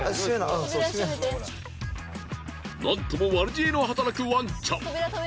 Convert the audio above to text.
なんとも悪知恵の働くワンちゃん。